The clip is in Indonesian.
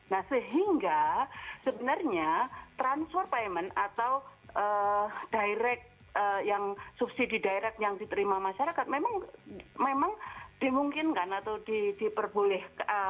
nah sehingga sebenarnya transfer payment atau direct yang subsidi direct yang diterima masyarakat memang dimungkinkan atau diperbolehkan